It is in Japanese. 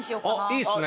いいっすね。